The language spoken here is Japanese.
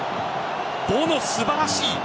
ボノ、素晴らしい。